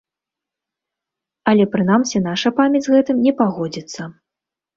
Але, прынамсі, наша памяць з гэтым не пагодзіцца.